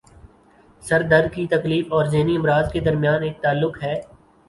سر درد کی تکلیف اور ذہنی امراض کے درمیان ایک تعلق ہے